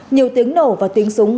nhiều tiếng nổ và tiếng súng